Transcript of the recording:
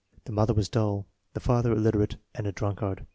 The mother was dull, the father illiterate and a drunkard.